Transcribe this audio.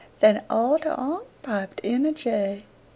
Then all ter onct piped in a jay.